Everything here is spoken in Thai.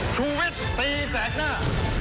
ชุวิตตีแสกหน้า